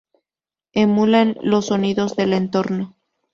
Emulan los sonidos del entorno.